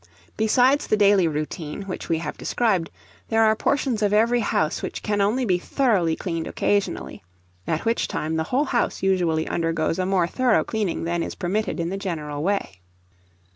Besides the daily routine which we have described, there are portions of every house which can only be thoroughly cleaned occasionally; at which time the whole house usually undergoes a more thorough cleaning than is permitted in the general way.